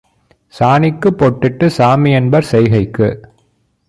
சாணிக்குப் பொட்டிட்டுச் சாமிஎன்பார் செய்கைக்கு